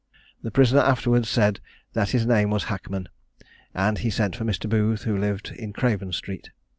The prisoner afterwards said that his name was Hackman; and he sent for Mr. Booth, who lived in Craven street.